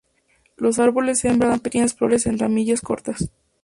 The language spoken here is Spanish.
Los árboles hembra dan pequeñas flores en ramillas cortas.